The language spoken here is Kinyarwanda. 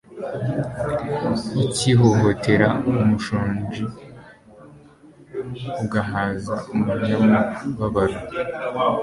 ukihotorera umushonji ugahaza umunyamubabaro